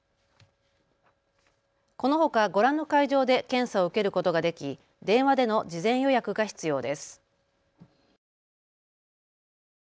このほかご覧の会場で検査を受けることができ電話での事前予約が必要です。